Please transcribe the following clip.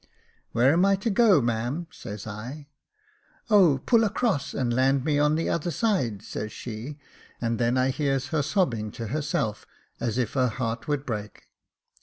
' Where am I to go, ma'am ?' says I. ' O ! pull across, and land me on the other side,' says she ; and then I hears her sobbing to herself, as if her heart would break.